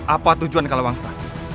apa tujuan kalau bangsa